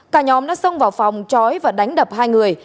cả nhóm đã xông vào phòng chói và đánh đập hai người